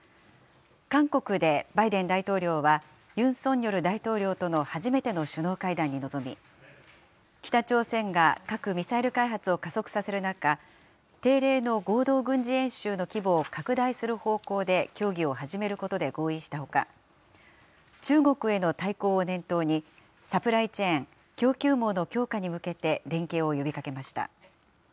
韓国でバイデン大統領は、ユン・ソンニョル大統領との初めての首脳会談に臨み、北朝鮮が核・ミサイル開発を加速させる中、定例の合同軍事演習の規模を拡大する方向で協議を始めることで合意したほか、中国への対抗を念頭に、サプライチェーン・供給網の強化に向けて連携を呼びかけました。